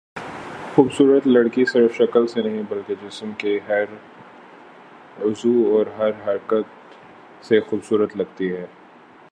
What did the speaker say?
خوبصورت لڑکی صرف شکل سے نہیں بلکہ جسم کے ہر عضو اور ہر حرکت سے خوبصورت لگتی ہے